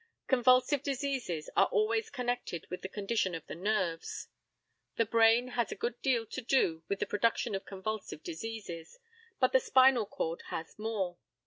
Convulsive diseases are always connected with the condition of the nerves. The brain has a good deal to do with the production of convulsive diseases, but the spinal cord has more.